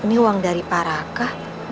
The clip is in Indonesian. ini uang dari pak raka